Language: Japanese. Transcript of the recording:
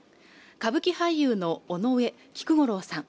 歌舞伎俳優の尾上菊五郎さん